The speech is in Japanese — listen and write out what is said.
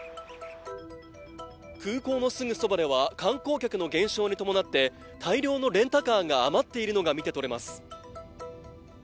空港のすぐそばでは、観光客の減少に伴って、大量のレンタカーが余っているのが見て取れます。